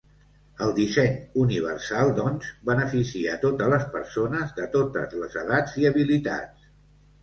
El disseny universal, doncs, beneficia a totes les persones de totes les edats i habilitats.